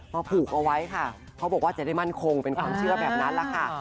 ผูกเอาไว้ค่ะเขาบอกว่าจะได้มั่นคงเป็นความเชื่อแบบนั้นแหละค่ะ